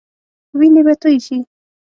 وينې به تويي شي.